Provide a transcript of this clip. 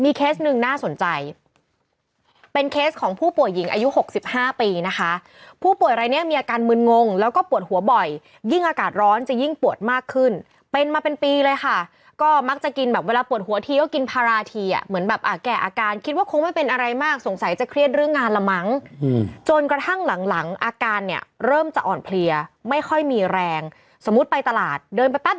มีเคสหนึ่งน่าสนใจเป็นเคสของผู้ป่วยหญิงอายุ๖๕ปีนะคะผู้ป่วยอะไรเนี่ยมีอาการมืนงงแล้วก็ปวดหัวบ่อยยิ่งอากาศร้อนจะยิ่งปวดมากขึ้นเป็นมาเป็นปีเลยค่ะก็มักจะกินแบบเวลาปวดหัวทีก็กินพาราทีเหมือนแบบแก่อาการคิดว่าคงไม่เป็นอะไรมากสงสัยจะเครียดเรื่องงานละมั้งจนกระทั่งหลังอาการเนี่ยเริ่มจะอ่